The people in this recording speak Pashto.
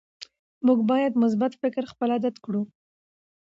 موږ باید مثبت فکر خپل عادت کړو